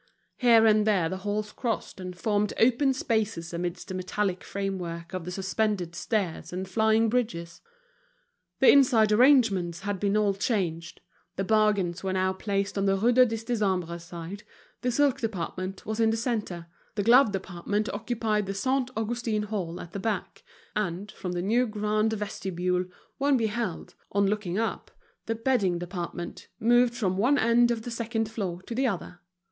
Here and there the halls crossed and formed open spaces amidst the metallic framework of the suspended stairs and flying bridges. The inside arrangements had been all changed: the bargains were now placed on the Rue du Dix Décembre side, the silk department was in the centre, the glove department occupied the Saint Augustin Hall at the back; and, from the new grand vestibule, one beheld, on looking up, the bedding department, moved from one end of the second floor to the other.